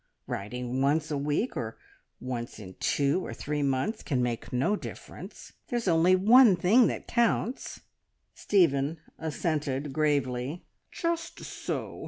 Writing once a week, or once in two or three months, can make no difference. There's only one thing that counts!" Stephen assented gravely. "Just so.